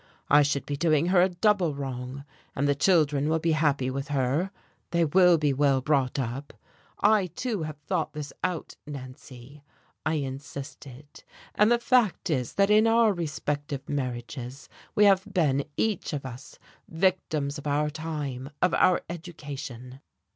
I should be doing her a double wrong. And the children will be happy with her, they will be well brought up. I, too, have thought this out, Nancy," I insisted, "and the fact is that in our respective marriages we have been, each of us, victims of our time, of our education.